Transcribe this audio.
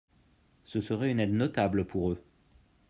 Ce serait une aide notable pour eux.